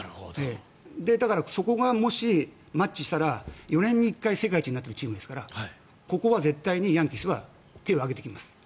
だからそこがもしマッチしたら４年に１回世界一になっているチームですからここは絶対にヤンキースは手を挙げてきます。